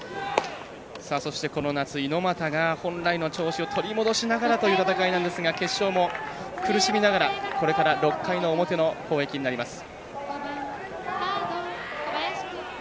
そして、この夏、猪俣が本来の調子を取り戻しながらという戦いなんですが決勝も苦しみながら、６回の表の攻撃になります。